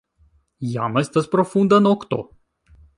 Jam estas profunda nokto.